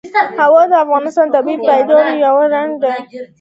هوا د افغانستان د طبیعي پدیدو یو رنګ دی.